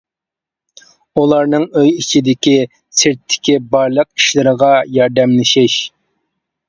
ئۇلارنىڭ ئۆي ئىچىدىكى، سىرتتىكى بارلىق ئىشلىرىغا ياردەملىشىش.